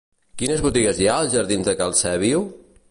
Quines botigues hi ha als jardins de Cal Sèbio?